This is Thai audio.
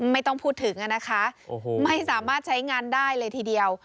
ไม่ต้องพูดถึงนะคะไม่สามารถใช้งานได้เลยทีเดียว